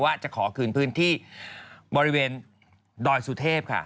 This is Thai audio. ว่าจะขอคืนพื้นที่บริเวณดอยสุเทพค่ะ